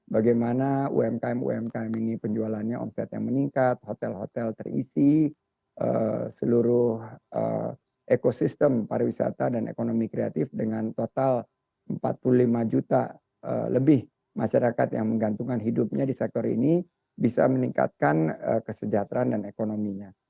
bagaimana umkm umkm ini penjualannya omsetnya meningkat hotel hotel terisi seluruh ekosistem pariwisata dan ekonomi kreatif dengan total empat puluh lima juta lebih masyarakat yang menggantungkan hidupnya di sektor ini bisa meningkatkan kesejahteraan dan ekonominya